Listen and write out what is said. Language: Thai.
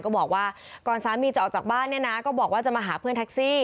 บอกว่าก่อนสามีจะออกจากบ้านเนี่ยนะก็บอกว่าจะมาหาเพื่อนแท็กซี่